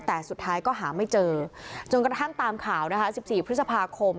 แต่สุดท้ายก็หาไม่เจอจนกระทั่งตามข่าวนะคะ๑๔พฤษภาคม